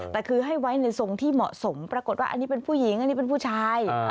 แต่คือให้ไว้ในทรงที่เหมาะสมปรากฏว่าอันนี้เป็นผู้หญิงอันนี้เป็นผู้ชาย